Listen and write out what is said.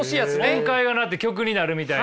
音階が鳴って曲になるみたいな。